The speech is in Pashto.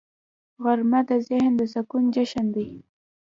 غرمه د ذهن د سکون جشن دی